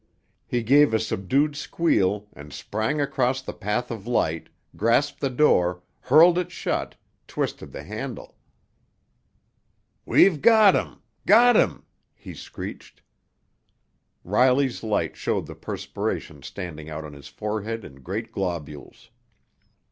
He gave a subdued squeal and sprang across the path of light, grasped the door, hurled it shut, twisted the handle. "We've got him—got him!" he screeched. Riley's light showed the perspiration standing out on his forehead in great globules.